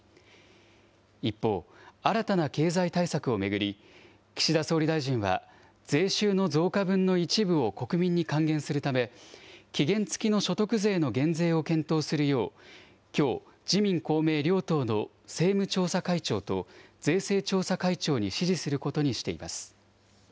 一方、新たな経済対策を巡り、岸田総理大臣は税収の増加分の一部を国民に還元するため、期限付きの所得税の減税を検討するよう、きょう自民、公明両党の政務調査会長と税制調査会長に指示することにしています。